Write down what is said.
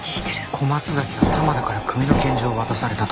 小松崎は玉田から組の拳銃を渡されたと。